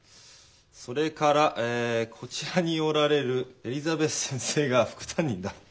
それからえこちらにおられるエリザベス先生が副担任だ。